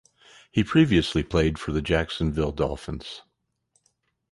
He previously played for the Jacksonville Dolphins.